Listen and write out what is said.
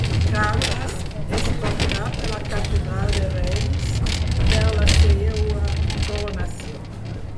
Carles és portat a la catedral de Reims per a la seua coronació.